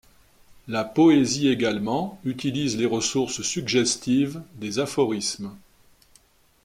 La poésie également utilise les ressources suggestives des aphorismes.